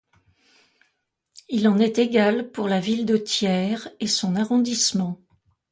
Il en est égal pour la ville de Thiers, et son arrondissement.